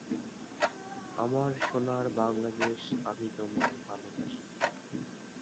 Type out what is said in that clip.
অনুভূতি, মনোবিজ্ঞানে অন্যতম বিতর্কিত প্রসঙ্গ হিসেবে দার্শনিক ও চিন্তাবিদদের মাঝে বহুবার আলোচিত হয়ে এসেছে।